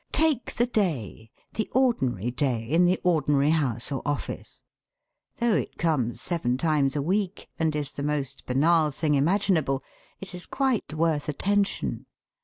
Take the day, the ordinary day in the ordinary house or office. Though it comes seven times a week, and is the most banal thing imaginable, it is quite worth attention.